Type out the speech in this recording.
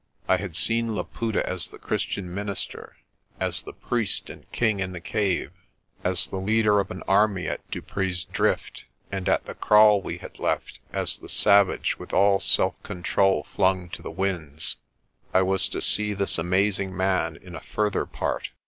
I had seen Laputa as the Christian minister, as the priest and king in the cave, as the leader of an army at Dupree's 202 PRESTER JOHN Drift and, at the kraal we had left, as the savage with all self control flung to the winds. I was to see this amazing man in a further part.